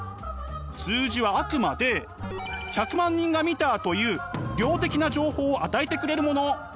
数字はあくまで１００万人が見たという「量」的な情報を与えてくれるもの。